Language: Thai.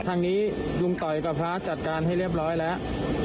ทางนี้ลุงต่อยกับพระจัดการให้เรียบร้อยแล้ว